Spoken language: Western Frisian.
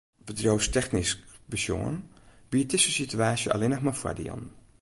Bedriuwstechnysk besjoen biedt dizze situaasje allinnich mar foardielen.